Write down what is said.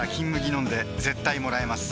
飲んで絶対もらえます